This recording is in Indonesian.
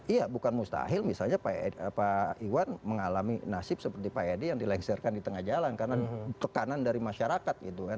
iya bukan mustahil misalnya pak iwan mengalami nasib seperti pak edi yang dilengsarkan di tengah jalan karena tekanan dari masyarakat gitu kan